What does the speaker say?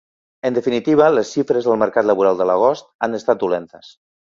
En definitiva, les xifres del mercat laboral de l’agost han estat dolentes.